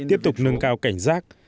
tiếp tục nâng cao cảnh giác